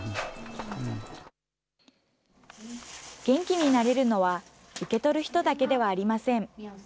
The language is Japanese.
元気になれるのは、受け取る人だけではありません。